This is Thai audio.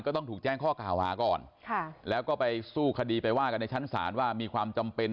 ต้องถูกแจ้งข้อกล่าวหาก่อนค่ะแล้วก็ไปสู้คดีไปว่ากันในชั้นศาลว่ามีความจำเป็น